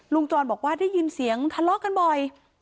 จรบอกว่าได้ยินเสียงทะเลาะกันบ่อย